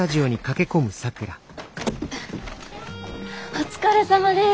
お疲れさまです。